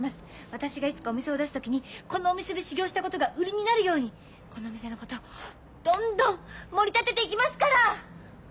私がいつかお店を出す時にこのお店で修業したことが売りになるようにこのお店のことどんどんもり立てていきますから！